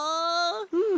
うん。